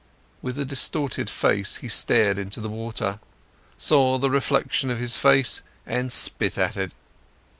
With a distorted face, he stared into the water, saw the reflection of his face and spit at it.